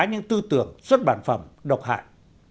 những tư tưởng xuất bản phẩm độc hại